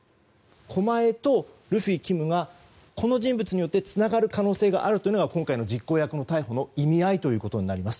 狛江とルフィ、キムがこの人物によってつながる可能性があるというのが今回の実行役の逮捕の意味合いとなります。